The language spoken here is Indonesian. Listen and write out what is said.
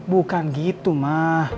bukan gitu ma